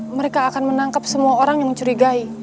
mereka akan menangkap semua orang yang mencurigai